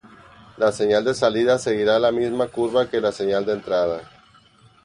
La señal de salida seguirá la misma curva que la señal de entrada.